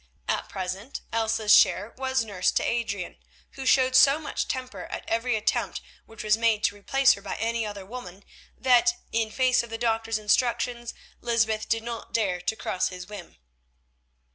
At present Elsa's share was to nurse to Adrian, who showed so much temper at every attempt which was made to replace her by any other woman, that, in face of the doctor's instructions, Lysbeth did not dare to cross his whim.